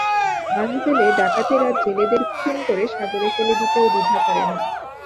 বাধা পেলে ডাকাতেরা জেলেদের খুন করে সাগরে ফেলে দিতেও দ্বিধা করে না।